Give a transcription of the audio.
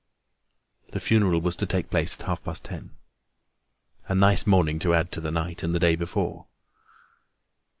The funeral was to take place at half past ten. A nice morning to add to the night and the day before!